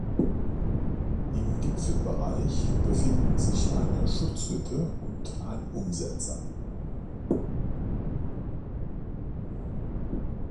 Im Gipfelbereich befinden sich eine Schutzhütte und ein Umsetzer.